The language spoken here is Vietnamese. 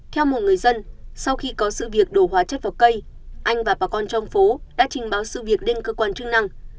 theo một người dân sau khi có sự việc đổ hóa chất vào cây anh và bà con trong phố đã trình báo sự việc lên cơ quan chức năng